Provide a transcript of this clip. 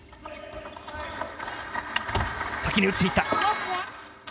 先に打っていった。